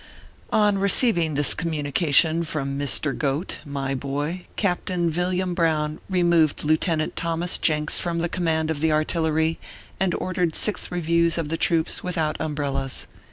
On receiving this communication from Mr. Goat, my boy, Captain Villiam Brown removed Lieutenant Thomas Jenks from the command of the artillery, and ordered six reviews of the troops without um brellas.